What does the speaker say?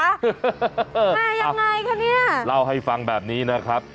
แม่ยังไงคะเนี่ยเล่าให้ฟังแบบนี้นะครับ